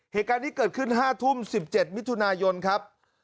เหตุการณ์นี้เกิดขึ้น๕ทุ่ม๑๗มิถุนายนครับ